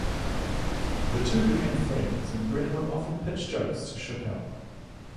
The two became friends and Brennan would often pitch jokes to Chappelle.